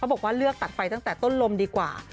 บอกว่าเลือกตัดไฟตั้งแต่ต้นลมดีกว่า